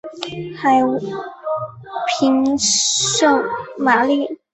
海滨圣玛丽。